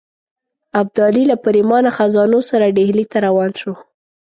ابدالي له پرېمانه خزانو سره ډهلي ته روان شو.